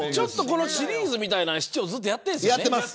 このシリーズみたいなのは市長ずっとやってるんですよね。